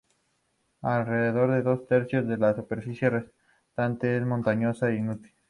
Alrededor de dos tercios de la superficie restante es montañosa e inútil.